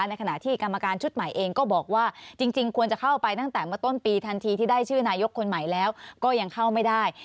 ในขณะที่กรรมการชุดใหม่เองก็บอกว่าจริงควรจะเข้าไปตั้งแต่เมื่อต้นปีทันทีที่ได้ชื่อนายกคนใหม่แล้วก็ยังเข้าไม่ได้